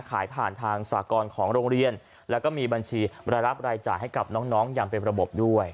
ขายผ่านทางสากรของโรงเรียนแล้วก็มีบัญชีรายรับรายจ่ายให้กับน้องอย่างเป็นระบบด้วย